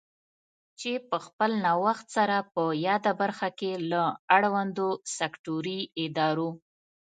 چې په خپل نوښت سره په یاده برخه کې له اړوندو سکټوري ادارو